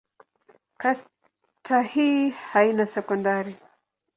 Kata hii haina sekondari.